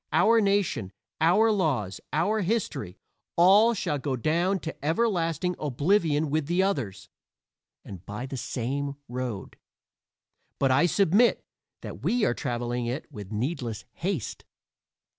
Our nation, our laws, our history all shall go down to everlasting oblivion with the others, and by the same road. But I submit that we are traveling it with needless haste.